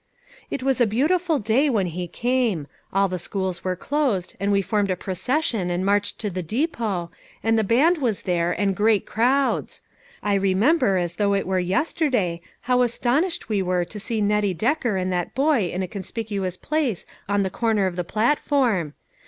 " It was a beautiful day when he came ; all the schools were closed, and we formed a pro cession and marched to the depot, and the band was there, and great crowds. I remember as though it were yesterday how astonished we were to see Nettie Decker and that boy in a con spicuous place on the corner of the platform.